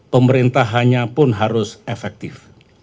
pemerintah hanya pun harus efektif